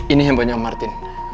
ini handphonenya om martin